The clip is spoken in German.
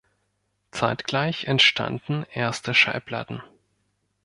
Zeitgleich entstanden erste Schallplatten.